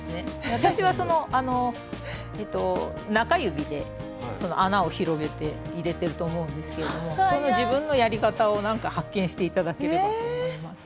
私は中指で穴を広げて入れてると思うんですけれどもその自分のやり方を発見して頂ければと思います。